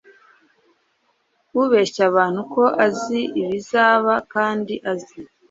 ubeshya abantu ko azi ibizaba kandi azi